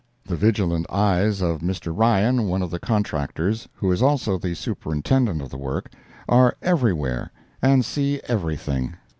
The vigilant eyes of Mr. Ryan, one of the contractors, who is also the superintendent of the work, are everywhere and see everything.